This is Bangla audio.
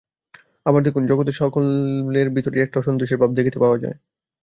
আবার দেখুন, জগতে সকলের ভিতরেই একটা অসন্তোষের ভাব দেখিতে পাওয়া যায়।